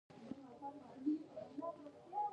امان الله خان به د شپې یوازې ګرځېده.